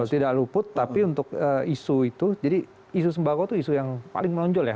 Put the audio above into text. tidak luput tapi untuk isu itu jadi isu sembako itu isu yang paling menonjol ya